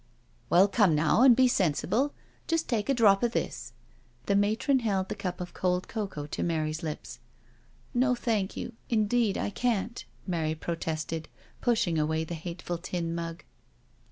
" Well, come now, and be sensible— just take a drop of this." The matron held the cup of cold cocoa to Mary's lips. " No, thank you— indeed, I can't," Mary protested, pushing away the hateful tin mug.